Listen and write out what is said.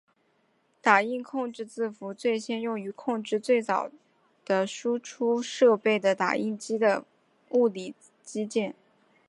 打印控制字符最先用于控制作为最早的输出设备的打印机的物理机件。